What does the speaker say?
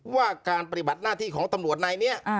ว่าการปฏิบัติหน้าที่ของตำรวจนายนี้